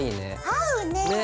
合うね！ね！